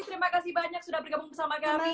terima kasih banyak sudah bergabung bersama kami